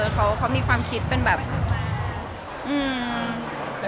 เขามีความคิดเป็นแบบ